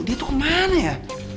dia tuh kemana ya